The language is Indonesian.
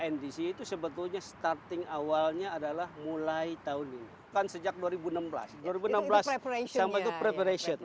ndc itu sebetulnya starting awalnya adalah mulai tahun ini kan sejak dua ribu enam belas dua ribu enam belas sampai itu preparation